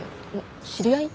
知り合い？